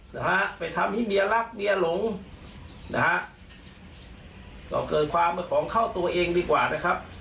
นะฮะไปทำให้เมียรักเมียหลงนะฮะก็เกิดความเป็นของเข้าตัวเองดีกว่านะครับ